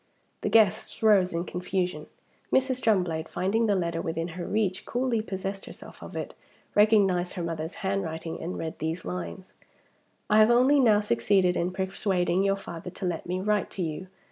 The guests rose in confusion. Mrs. Drumblade, finding the letter within her reach, coolly possessed herself of it; recognized her mother's handwriting; and read these lines: "I have only now succeeded in persuading your father to let me write to you.